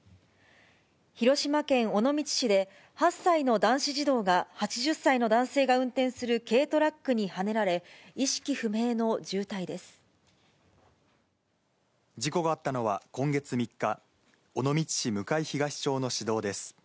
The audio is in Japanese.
広島県尾道市で、８歳の男子児童が８０歳の男性が運転する軽トラックにはねられ、事故があったのは今月３日、尾道市向東町の市道です。